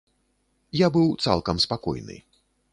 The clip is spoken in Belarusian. Я быў цалкам спакойны.